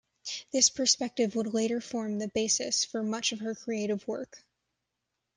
This perspective would later form the basis for much of her creative work.